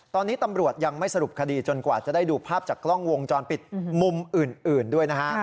ตอนนี้ตำรวจยังไม่สรุปคดีจนกว่าจะได้ดูภาพจากกล้องวงจรปิดมุมอื่นด้วยนะฮะ